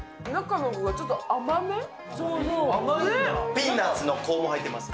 ピーナッツの粉も入ってます。